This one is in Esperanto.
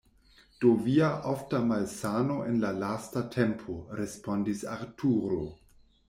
"Do Via ofta malsano en la lasta tempo!" Respondis Arturo.